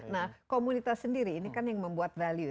nah komunitas sendiri ini kan yang membuat value